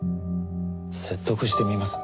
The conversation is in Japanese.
説得してみます。